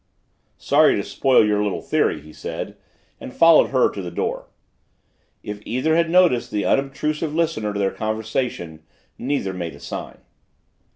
"Sorry to spoil your little theory," he said, and followed her to the door. If either had noticed the unobtrusive listener to their conversation, neither made a sign.